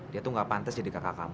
dia tuh gak pantas jadi kakak kamu